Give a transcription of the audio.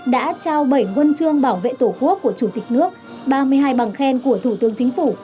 đã trao bảy huân chương bảo vệ tổ quốc của chủ tịch nước ba mươi hai bằng khen của thủ tướng chính phủ